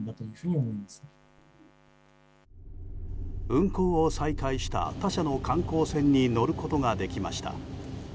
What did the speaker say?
運航を再開した他社の観光船に乗ることができました。